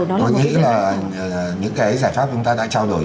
tôi nghĩ là những cái giải pháp chúng ta đã trao đổi